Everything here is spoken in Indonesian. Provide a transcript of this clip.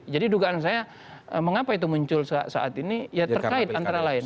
jadi dugaan saya mengapa itu muncul saat ini ya terkait antara lain